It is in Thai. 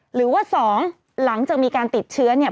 หรือว่า๒หลังจากมีการติดเชื้อเนี่ย